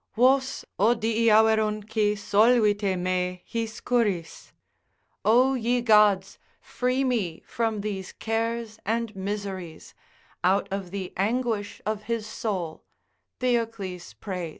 Vos O dii Averrunci solvite me his curis, O ye gods, free me from these cares and miseries, out of the anguish of his soul, Theocles prays.